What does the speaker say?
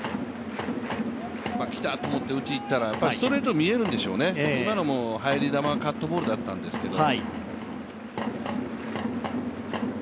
来たと思って打ちにいったら、ストレートは見えるんでしょうね、今のも入り球はカットボールだったんですけど。